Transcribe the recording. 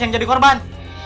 yang jadi korban